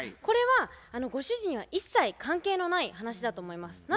これはご主人は一切関係のない話だと思います。